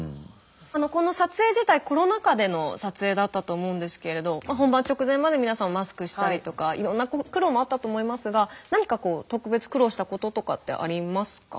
この撮影自体コロナ禍での撮影だったと思うんですけれど本番直前まで皆さんマスクしたりとかいろんな苦労もあったと思いますが何かこう特別苦労したこととかってありますか？